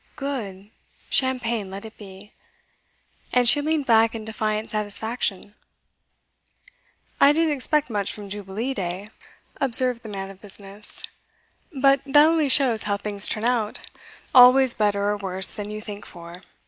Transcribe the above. Good; champagne let it be. And she leaned back in defiant satisfaction. 'I didn't expect much from Jubilee Day,' observed the man of business, 'but that only shows how things turn out always better or worse than you think for.